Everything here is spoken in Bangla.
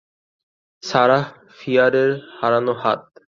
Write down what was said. সারাহ ফিয়ারের হারানো হাত।